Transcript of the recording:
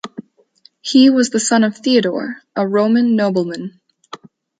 He was the son of Theodore, a Roman nobleman.